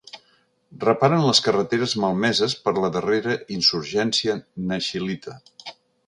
Reparen les carreteres malmeses per la darrera insurgència naxilita.